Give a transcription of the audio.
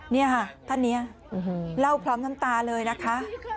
นี่ค่ะท่านนี้เล่าพร้อมน้ำตาเลยนะคะ